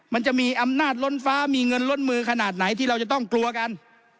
มันจะมีอำนาจล้นฟ้ามีเงินล้นมือขนาดไหนที่เราจะต้องกลัวกัน